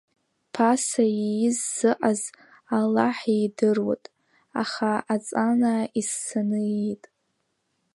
Ԥаса ииз сыҟаз, аллаҳ идыруот, аха аҵанаа иссаны иит.